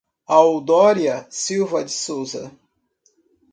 Audoria Silva de Souza